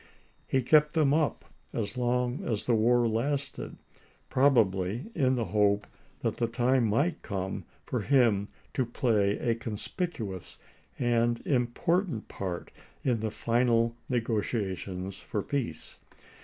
He kept them up as long as the war lasted, probably in the hope that the time might come for him to play a conspicuous and im portant part in the final negotiations for peace.